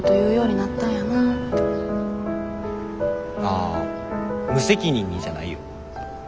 あ無責任にじゃないよ。